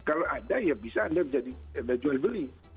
kalau ada ya bisa anda jual beli